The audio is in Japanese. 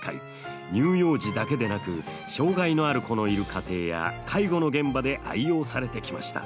乳幼児だけでなく障害のある子のいる家庭や介護の現場で愛用されてきました。